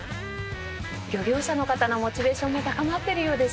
漁業者の方のモチベーションも高まっているようですね。